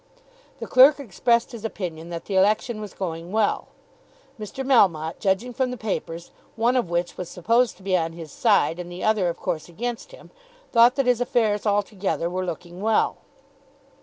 The clerk expressed his opinion that the election was going well. Mr. Melmotte, judging from the papers, one of which was supposed to be on his side and the other of course against him, thought that his affairs altogether were looking well.